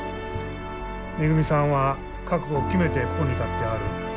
めぐみさんは覚悟を決めてここに立ってはる。